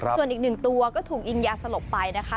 ส่วนอีกหนึ่งตัวก็ถูกยิงยาสลบไปนะคะ